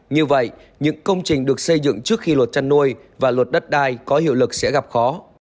như vậy những công trình được xây dựng trước khi luật chăn nuôi và luật đất đai có hiệu lực sẽ gặp khó